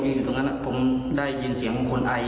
เมื่อกี้ผมยืนเสียงคนไอ